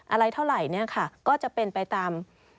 อะไรเท่าไหร่เนี่ยค่ะก็จะเป็นไปตาม